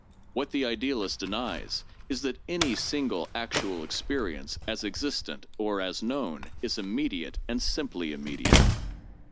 What the idealist denies is that 'any single actual experience, as existent or as known, is immediate, and simply immediate.